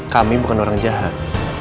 kami bukan orang jahat